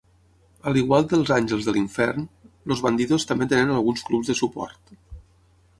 A l'igual dels Àngels de l'Infern, els Bandidos també tenen alguns clubs de suport.